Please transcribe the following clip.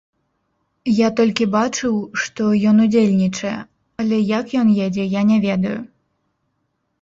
Я толькі бачыў, што ён удзельнічае, але як ён едзе, я не ведаю.